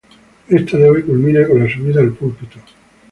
Esta nave culmina con la subida al púlpito.